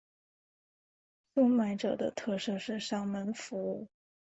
收买者的特色是上门服务。